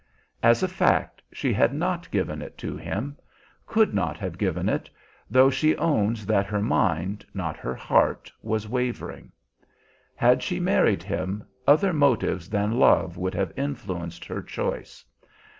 As a fact, she had not given it to him, could not have given it, though she owns that her mind, not her heart, was wavering. Had she married him, other motives than love would have influenced her choice.